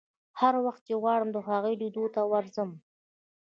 هر وخت چې وغواړم د هغو لیدو ته ورځم.